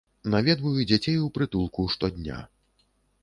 Наведваю дзяцей у прытулку штодня.